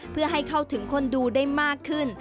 เพื่อให้เข้าถึงคนดูได้มากขึ้น